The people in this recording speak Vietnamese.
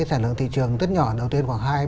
sản lượng thị trường rất nhỏ đầu tiên khoảng